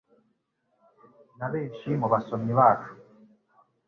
na benshi mu basomyi bacu.